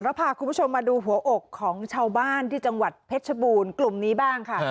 พาคุณผู้ชมมาดูหัวอกของชาวบ้านที่จังหวัดเพชรบูรณ์กลุ่มนี้บ้างค่ะ